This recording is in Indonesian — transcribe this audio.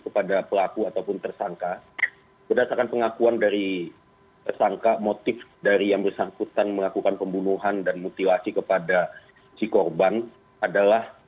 kepada pelaku ataupun tersangka berdasarkan pengakuan dari tersangka motif dari yang bersangkutan melakukan pembunuhan dan mutilasi kepada si korban adalah